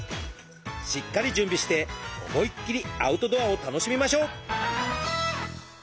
しっかり準備して思いっきりアウトドアを楽しみましょう！